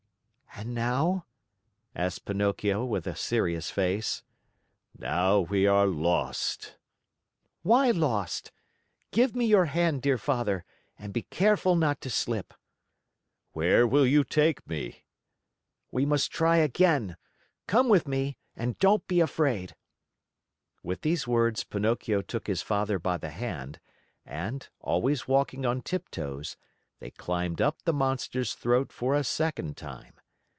"And now?" asked Pinocchio with a serious face. "Now we are lost." "Why lost? Give me your hand, dear Father, and be careful not to slip!" "Where will you take me?" "We must try again. Come with me and don't be afraid." With these words Pinocchio took his father by the hand and, always walking on tiptoes, they climbed up the monster's throat for a second time.